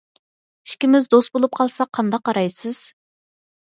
ئىككىمىز دوست بۇلۇپ قالساق قانداق قارايسىز؟